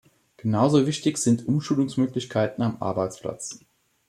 Genauso wichtig sind Umschulungsmöglichkeiten am Arbeitsplatz.